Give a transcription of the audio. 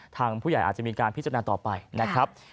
ทางผู้ใหญ่อาจจะมีการพิจารณาต่อไปนะครับ